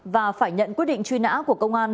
và phải nhận quyết định truy nã của công an